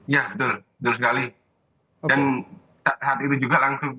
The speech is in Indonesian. ya betul betul sekali